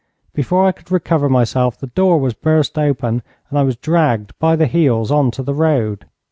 Before I could recover myself the door was burst open, and I was dragged by the heels on to the road.